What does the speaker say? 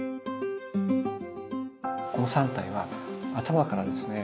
この３体は頭からですね